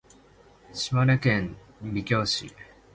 島根県美郷町